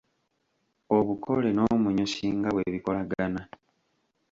Obukole n’omunyusi nga bwe bikolagana